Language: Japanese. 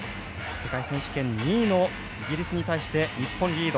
世界選手権２位のイギリスに対して日本リード。